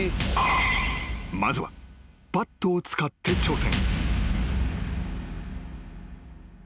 ［まずはバットを使って挑戦］